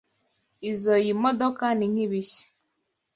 Izoi modoka ni nkibishya.